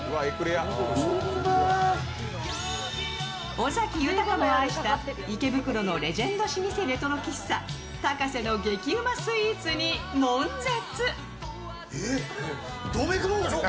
尾崎豊も愛した池袋のレジェンド老舗レトロ喫茶タカセの激うまスイーツにもん絶。